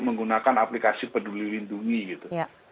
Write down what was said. menggunakan aplikasi peduli lindungi gitu